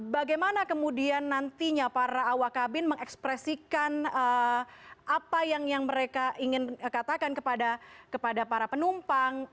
bagaimana kemudian nantinya para awak kabin mengekspresikan apa yang mereka ingin katakan kepada para penumpang